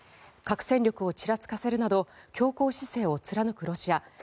核戦力をちらつかせるなど強硬姿勢を貫くロシア。